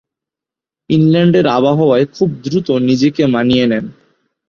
ইংল্যান্ডের আবহাওয়ায় খুব দ্রুত নিজেকে মানিয়ে নেন।